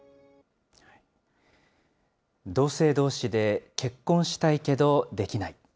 同性どうしで結婚したいけどできない。